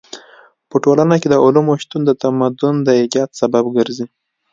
په ټولنه کې د علومو شتون د تمدن د ايجاد سبب ګرځي.